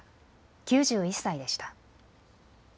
９１歳でした。